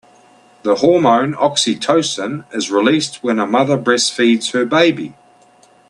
The hormone oxytocin is released when a mother breastfeeds her baby.